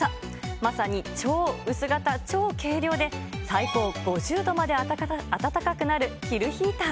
まさに超薄型、超軽量で、最高５０度まで暖かくなる着るヒーター。